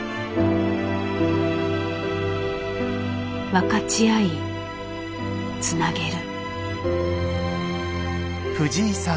分かち合いつなげる。